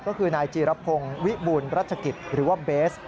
ก็คือนายจีรพงศ์วิบูรณรัชกิจหรือว่าเบส